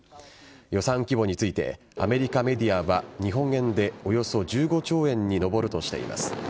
予算規模についてアメリカメディアは日本円で、およそ１５兆円に上るとしています。